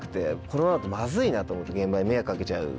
このままだとまずいなと思って現場に迷惑かけちゃう。